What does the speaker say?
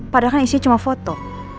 padahal kan isinya cuma foto